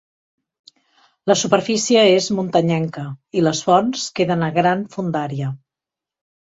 La superfície és muntanyenca i les fonts queden a gran fondària.